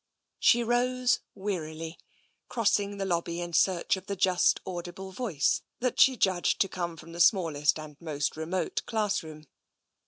She rose wearily, crossing the lobby in search of the TENSION 185 just audible voice that she judged to come from the smallest and most remote classroom.